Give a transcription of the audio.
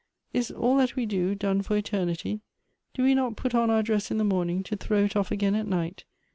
is all that we do, done for eternity ? Do we not put on our dress in the morning, to throw it off again at night?